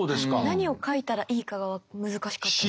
何を書いたらいいかが難しかったです。